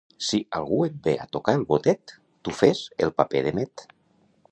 Si algú et ve a tocar el botet, tu fes el paper de met.